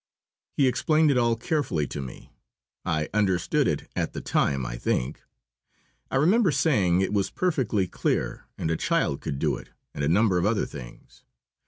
He explained it all carefully to me. I understood it at the time, I think. I remember saying it was perfectly clear, and a child could do it, and a number of other things.